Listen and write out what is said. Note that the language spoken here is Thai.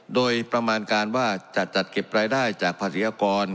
โดยประมาณการว่าจะจัดเก็บรายได้จากภาษีอากร